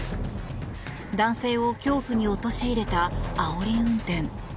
男性を恐怖に陥れたあおり運転。